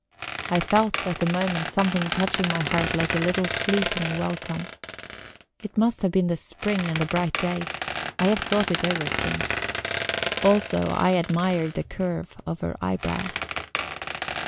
I felt at the moment something touching my heart like a little fleeting welcome. It must have been the spring, and the bright day; I have thought it over since. Also, I admired the curve of her eyebrows.